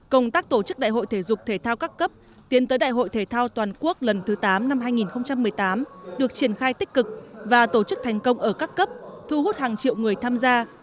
công tác tổ chức đại hội thể dục thể thao các cấp tiến tới đại hội thể thao toàn quốc lần thứ tám năm hai nghìn một mươi tám được triển khai tích cực và tổ chức thành công ở các cấp thu hút hàng triệu người tham gia